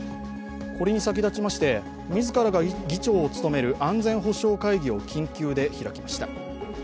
これに先立ちまして自らが議長を務める安全保障会議を緊急で開きました。